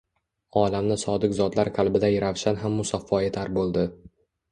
Olamni sodiq zotlar qalbiday ravshan ham musaffo etar bo‘ldi.